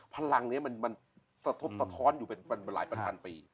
พลังนี้มันสะทบสะท้อนอยู่เป็นหลายประพันปี